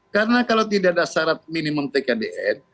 karena kalau tidak ada syarat minimum tkdn